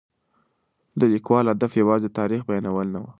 د لیکوال هدف یوازې د تاریخ بیانول نه و.